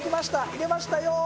入れましたよ。